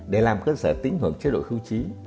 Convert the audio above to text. để làm cơ sở tính hưởng chế độ hưu trí